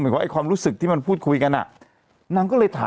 จะได้พัฒนาสัมสัมพันธ์ต่อ